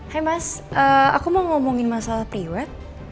hey mas aku mau ngomongin masalah priwet